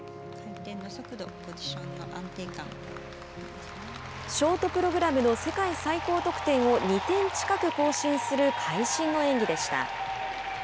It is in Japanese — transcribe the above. ショートプログラムの世界最高得点を２点近く更新する会心の演技でした。